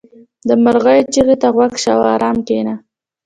• د مرغیو چغې ته غوږ شه او آرام کښېنه.